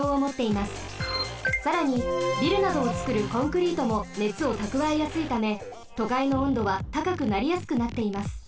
さらにビルなどをつくるコンクリートもねつをたくわえやすいためとかいの温度はたかくなりやすくなっています。